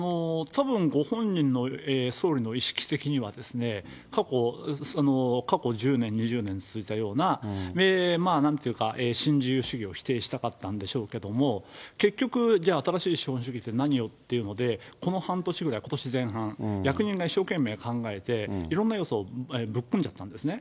たぶん、ご本人の総理の意識的にはですね、過去、過去１０年、２０年続いたような、なんていうか、新自由主義を否定したかったでしょうけど、結局、じゃあ、新しい資本主義って何をっていうので、この半年ぐらい、ことし前半、役人が一生懸命考えて、いろんな要素をぶっこんじゃったんですね。